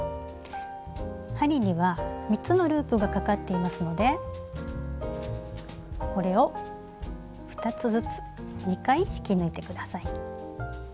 針には３つのループがかかっていますのでこれを２つずつ２回引き抜いて下さい。